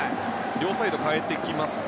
両サイド代えてきますか。